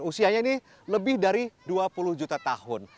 usianya ini lebih dari dua puluh juta tahun